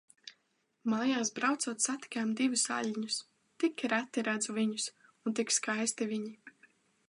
Mājās braucot, satikām divus aļņus. Tik reti redzu viņus un tik skaisti viņi.